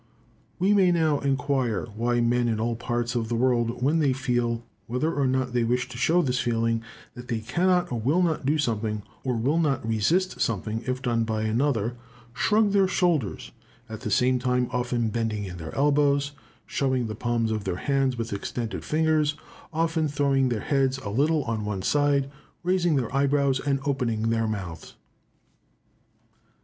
We may now inquire why men in all parts of the world when they feel,—whether or not they wish to show this feeling,—that they cannot or will not do something, or will not resist something if done by another, shrug their shoulders, at the same time often bending in their elbows, showing the palms of their hands with extended fingers, often throwing their heads a little on one side, raising their eyebrows, and opening their mouths.